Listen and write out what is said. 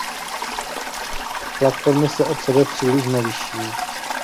Platformy se od sebe příliš neliší.